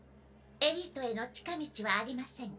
エリートへの近道はありません。